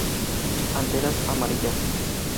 Anteras amarillas.